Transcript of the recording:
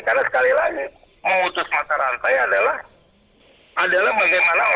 karena sekali lagi mengutus mata rantai adalah bagaimana orang itu tidak si orang yang mengandung virus itu tidak kemana mana gitu